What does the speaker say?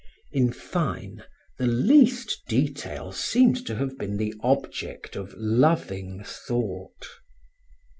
In fine, the least detail seemed to have been the object of loving thought.